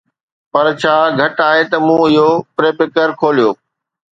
پر ڇا گهٽ آهي ته مون اهو پريپيڪر کوليو